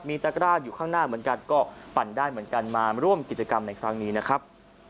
ตะกร้าอยู่ข้างหน้าเหมือนกันก็ปั่นได้เหมือนกันมาร่วมกิจกรรมในครั้งนี้นะครับ